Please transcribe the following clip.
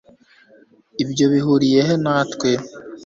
Ibyo bihuriye he natwe